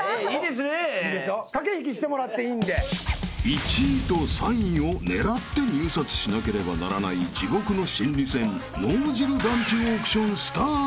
［１位と３位を狙って入札しなければならない地獄の心理戦脳汁ランチオークションスタート］